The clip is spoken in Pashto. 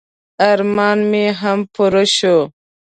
ارمان مې هم پوره شو.